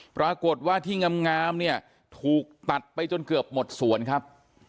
ปรากฏว่าที่งามเนี่ยถูกตัดไปจนเกือบหมดสวนครับ